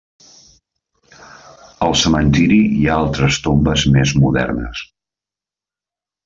Al cementiri hi ha altres tombes més modernes.